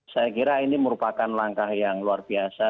saya kira ini merupakan langkah yang luar biasa